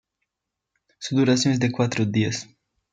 Su duración es de cuatro días.